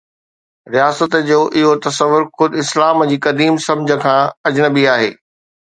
رياست جو اهو تصور خود اسلام جي قديم سمجھه کان اجنبي آهي.